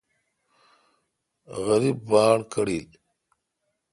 غریب باڑ کڑل۔